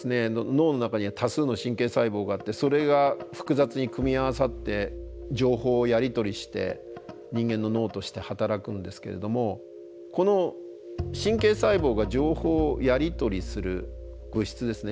脳の中には多数の神経細胞があってそれが複雑に組み合わさって情報をやり取りして人間の脳として働くんですけれどもこの神経細胞が情報をやり取りする物質ですね。